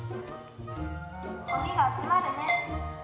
「ごみが集まるね」。